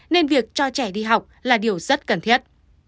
nên việc cho trẻ đi học là điều rất cần thiết